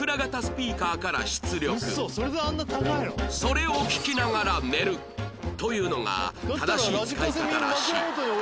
それを聞きながら寝るというのが正しい使い方らしい